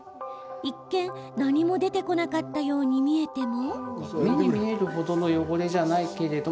一見、何も出てこなかったように見えても。